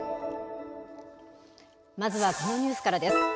まずはこのニュースからです。